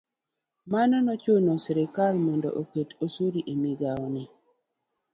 Mano nochuno sirikal mondo oket osuru e migao ni.